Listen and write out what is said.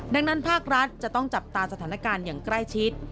ดังนั้นภาครัฐจะต้องจับตาสถานการณ์อย่างใกล้ชิด